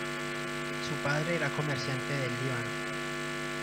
Su padre era comerciante del Líbano.